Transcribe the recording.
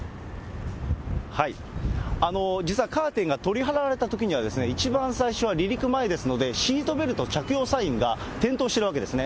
実はカーテンが取り払われたときには、一番最初は離陸前ですので、シートベルト着用サインが点灯してるわけですね。